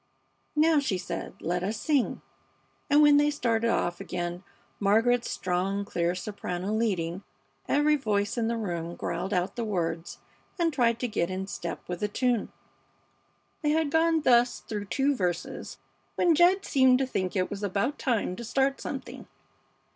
"Now," she said, "let us sing," and when they started off again Margaret's strong, clear soprano leading, every voice in the room growled out the words and tried to get in step with the tune. They had gone thus through two verses when Jed seemed to think it was about time to start something.